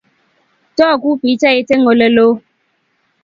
Toku pichait eng Ole loo